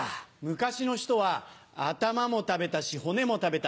昔の人は頭も食べたし骨も食べた。